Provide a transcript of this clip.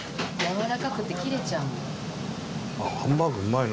やわらかくて切れちゃうの。